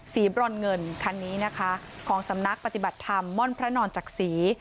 บรอนเงินคันนี้นะคะของสำนักปฏิบัติธรรมม่อนพระนอนจักษี